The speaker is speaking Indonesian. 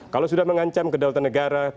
kalau sudah mengancam kedaulatan negara